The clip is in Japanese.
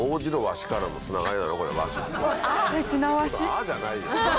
「あっ！」じゃないよ。